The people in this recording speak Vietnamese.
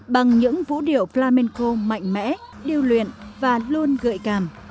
bằng những vũ điệu plamenko mạnh mẽ điêu luyện và luôn gợi cảm